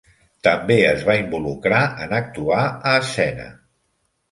També es va involucrar en actuar a escena.